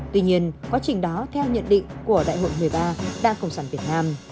tuy nhiên quá trình đó theo nhận định của đại hội một mươi ba đảng cộng sản việt nam